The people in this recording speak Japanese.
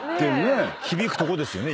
響くとこですよね